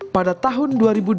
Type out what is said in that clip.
pada tahun dua ribu dua puluh